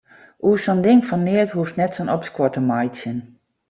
Oer sa'n ding fan neat hoechst net sa'n opskuor te meitsjen.